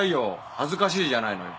恥ずかしいじゃないのよ。